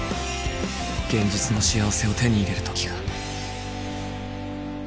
現実の幸せを手に入れるときが